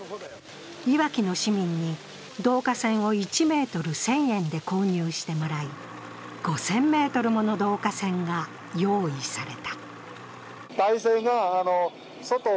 いわきの市民に導火線を１ｍ１０００円で購入してもらい、５０００ｍもの導火線が用意された。